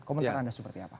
komentar anda seperti apa